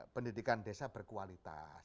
pendidikan desa berkualitas